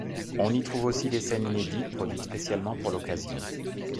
On y trouve aussi des scènes inédites produites spécialement pour l'occasion.